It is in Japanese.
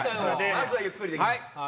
まずはゆっくりで行きます。